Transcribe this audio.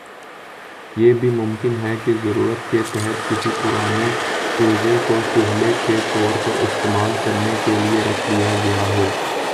یہ بھی ممکن ہے کہ ضرورت کے تحت کسی پرانے کوزے کو چولہے کے طور پر استعمال کرنے کے لئے رکھ لیا گیا ہو